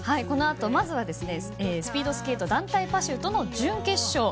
このあとまずはスピードスケート団体パシュート準決勝。